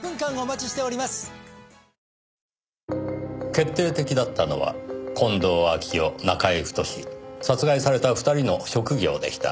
決定的だったのは近藤秋夫中居太殺害された二人の職業でした。